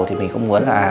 thì mình không muốn là